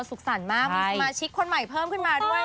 สุขสรรค์มากมีสมาชิกคนใหม่เพิ่มขึ้นมาด้วย